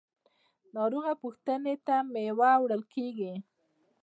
ناروغه پوښتنې ته میوه وړل کیږي.